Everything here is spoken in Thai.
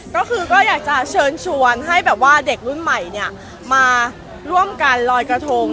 ก็คือก็อยากจะเชิญชวนให้แบบว่าเด็กรุ่นใหม่เนี่ยมาร่วมกันลอยกระทง